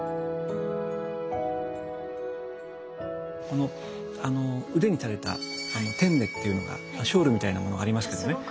この腕に垂れた天衣っていうのがショールみたいなものがありますけども。